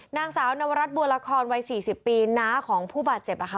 นางสาวนวรัฐบัวละครวัย๔๐ปีน้าของผู้บาดเจ็บ